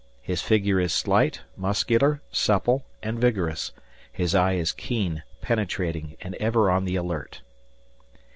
"His figure is slight, muscular, supple, and vigorous; his eye is keen, penetrating, and ever on the alert."